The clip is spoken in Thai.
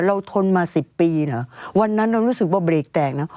ทนมาสิบปีเหรอวันนั้นเรารู้สึกว่าเบรกแตกนะ